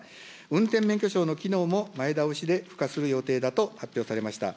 運転免許証の機能も前倒しで付加する予定だと発表されました。